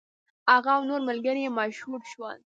هغه او نور ملګري یې مشهور شول.